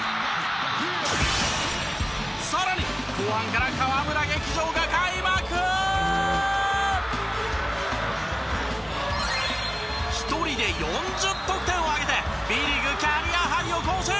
さらに後半から１人で４０得点を挙げてＢリーグキャリアハイを更新！